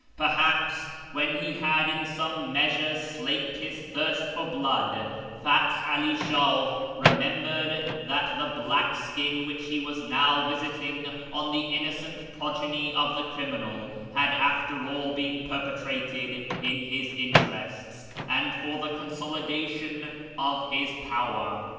Perhaps, when he had in some measure slaked his thirst for blood, Fath 'Ali Sluih remembered that the black sin which he was now visiting on the innocent progeny of the criminal had after all been perpetrated in his interests and for the con solidation of his power.